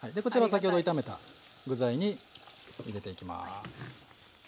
こちらを先ほど炒めた具材に入れていきます。